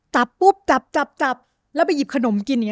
จับปุ๊บจับแล้วไปหยิบขนมกิน